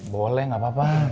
boleh gak apa apa